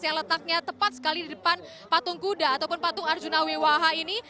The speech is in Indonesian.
yang letaknya tepat sekali di depan patung kuda ataupun patung arjuna wiwaha ini